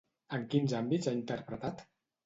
En quins àmbits ha interpretat?